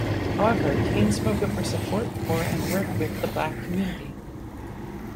However, Caine spoke of her support for and work with the black community.